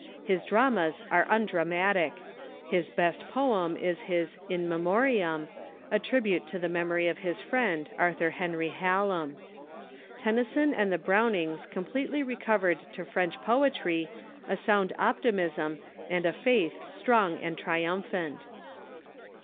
His dramas are nndraraatic. His best poem is his "In Memoriam "— a tribute to the memory of his friend, Arthur Henry Hallam. Tennyson and the Brownings completely recovered to English poetry a sound optimism and a faith strong and triumphant.